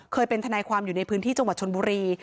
เคยเป็นทนายความอยู่ในพื้นที่จังหวัดชนบุรี